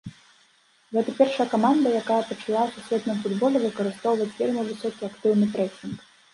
Гэта першая каманда, якая пачала ў сусветным футболе выкарыстоўваць вельмі высокі актыўны прэсінг.